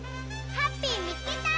ハッピーみつけた！